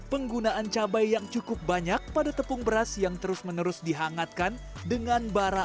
penggunaan cabai yang cukup banyak pada tepung beras yang terus menerus dihangatkan dengan bara